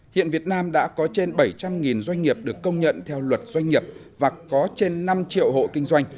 hiện việt nam đã có trên bảy trăm linh doanh nghiệp được công nhận theo luật doanh nghiệp và có trên năm triệu hộ kinh doanh